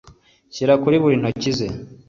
Shyira kuri buri ntoki ze